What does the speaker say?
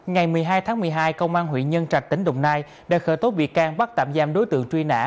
ngày một mươi hai tháng một mươi hai công an huyện nhân trạch tỉnh đồng nai đã khởi tố bị can bắt tạm giam đối tượng truy nã